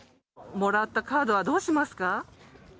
もらったカードはどうしますか。